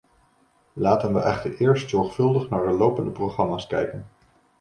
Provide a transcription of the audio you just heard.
Laten we echter eerst zorgvuldig naar de lopende programma's kijken.